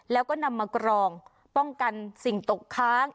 แล้วก็นำมากรองป้องกันสิ่งตกค้าง